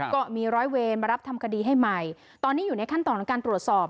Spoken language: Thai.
ก็มีร้อยเวรมารับทำคดีให้ใหม่ตอนนี้อยู่ในขั้นตอนของการตรวจสอบ